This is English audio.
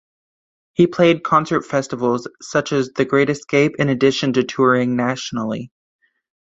He played concert festivals such as The Great Escape in addition to touring nationally.